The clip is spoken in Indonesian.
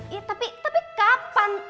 ya tapi tapi kapan